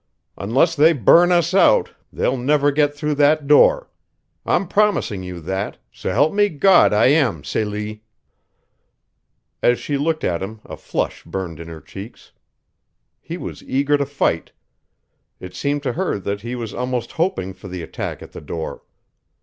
"Unless they burn us out they'll never get through that door. I'm promising you that s'elp me God I am, Celie!" As she looked at him a flush burned in her cheeks. He was eager to fight it seemed to her that he was almost hoping for the attack at the door.